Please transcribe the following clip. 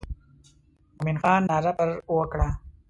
مومن خان ناره پر وکړه.